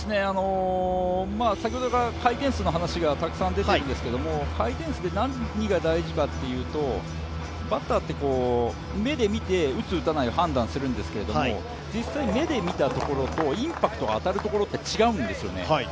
先ほどから回転数の話がたくさん出ているんですが回転数で何が大事かっていうとバッターって、目で見て打つ打たない判断するんですけども実際、目で見たところと、インパクトが当たるところって違うんですよね。